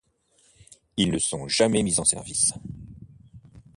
Ils ne sont jamais mis en service.